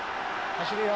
走るよ！